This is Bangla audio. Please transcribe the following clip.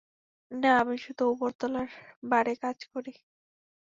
না, আমি শুধু ওপরতলার বারে কাজ করি।